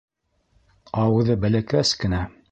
Ауыҙы бәләкәс кенә.